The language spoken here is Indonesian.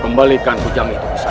kembalikan pujang itu besar